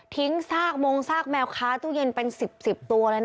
ทิ้งซากมงซากแมวคาตู้เย็นเป็น๑๐ตัว